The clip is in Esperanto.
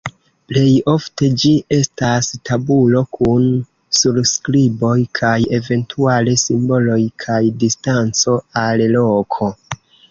Plej ofte ĝi estas tabulo kun surskriboj kaj eventuale simboloj kaj distanco al loko.